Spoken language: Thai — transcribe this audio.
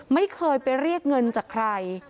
ไม่เคยไปเรียกเงินจากใคร